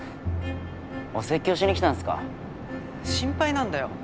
お説教しに来たんすか？心配なんだよ。